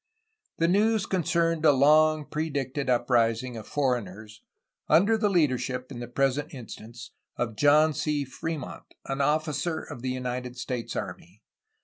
The news concerned a long predicted uprising of foreign ers, under the leadership, in the present instance, of John C. Fremont, an officer of the United States army.